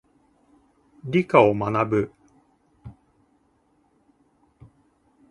理科を学ぶ。